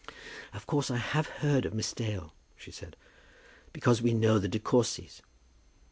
"Of course I have heard of Miss Dale," she said, "because we know the De Courcys."